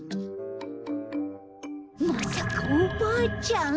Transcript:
まさかおばあちゃん？